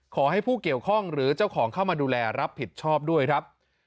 ขอให้ผู้เกี่ยวข้องหรือเจ้าของเข้ามาดูแลรับผิดชอบด้วยครับ